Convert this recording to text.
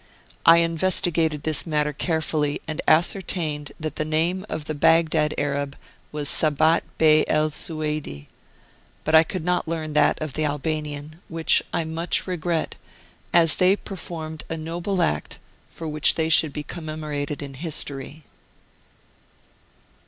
I investigated this matter carefully, and ascertained that the name of the Baghdad Arab was Sabat Bey El Sueidi, but I could not learn that of the Albanian, which I much regret, as they performed a noble act for which they should be commemorated in history.